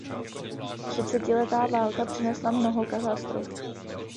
Třicetiletá válka přinesla mnoho katastrof.